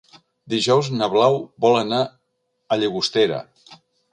Dijous na Blau vol anar a Llagostera.